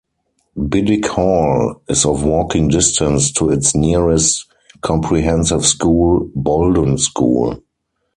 Biddick Hall is of walking distance to its nearest 'Comprehensive School', Boldon School.